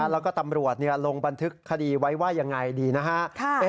แล้วก็ตำรวจลงบันทึกคดีไว้ว่ายังไงดีนะฮะ